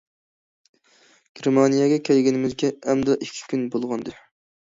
گېرمانىيەگە كەلگىنىمىزگە ئەمدىلا ئىككى كۈن بولغانىدى.